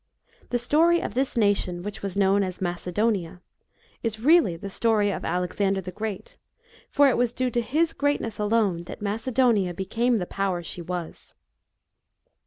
The story of this nation, which was known as Macedonia, is really the story of Alexander the Great, for it was due to his greatness alone, that Macedonia became the power she was.